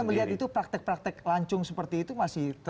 anda melihat itu praktek praktek lancung seperti itu masih terjadi